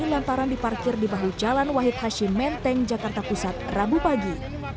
lantaran diparkir di bahu jalan wahid hashim menteng jakarta pusat rabu pagi